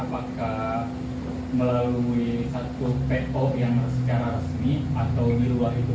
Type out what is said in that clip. apakah melalui satu po yang secara resmi atau di luar itu